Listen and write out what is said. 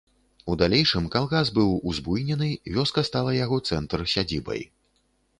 У далейшым калгас быў узбуйнены, вёска стала яго цэнтр, сядзібай.